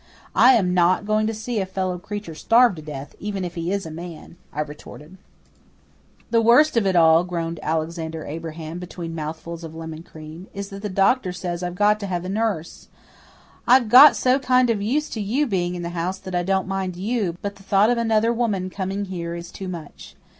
"I am not going to see a fellow creature starve to death, even if he is a man," I retorted. "The worst of it all," groaned Alexander Abraham, between mouthfuls of lemon cream, "is that the doctor says I've got to have a nurse. I've got so kind of used to you being in the house that I don't mind you, but the thought of another woman coming here is too much.